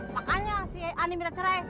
makanya si ani minta cerai